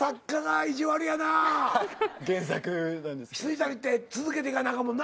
未谷って続けていかなあかんもんな。